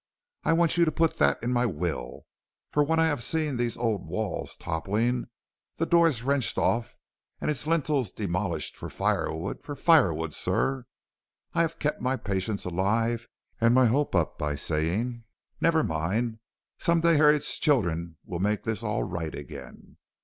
I want you to put that in my will; for when I have seen these old walls toppling, the doors wrenched off, and its lintels demolished for firewood, for firewood, sir, I have kept my patience alive and my hope up by saying, Never mind; some day Harriet's children will make this all right again.